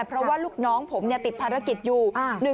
เพราะลูกน้องติดภารกิจอยู่๑๒๓๔